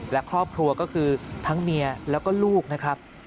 และครอบครัวก็คือทั้งเมียแล้วก็ลูกนะครับ